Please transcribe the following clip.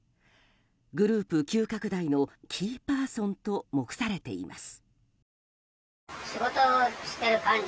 グループ急拡大のキーパーソンと目されています。